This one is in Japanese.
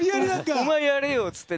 お前やれよっつって。